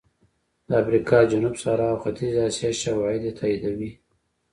د افریقا جنوب صحرا او ختیځې اسیا شواهد یې تاییدوي